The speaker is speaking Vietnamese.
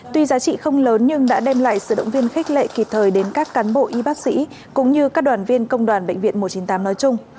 tuy giá trị không lớn nhưng đã đem lại sự động viên khích lệ kịp thời đến các cán bộ y bác sĩ cũng như các đoàn viên công đoàn bệnh viện một trăm chín mươi tám nói chung